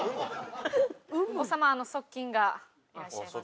王様側近がいらっしゃいます。